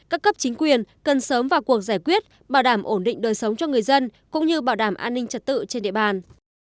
các cấp chính quyền cần sớm vào cuộc giải quyết bảo đảm ổn định đời sống cho người dân cũng như bảo đảm an ninh trật tự trên địa bàn